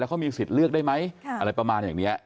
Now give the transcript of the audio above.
เขามีสิทธิ์เลือกได้ไหมอะไรประมาณอย่างนี้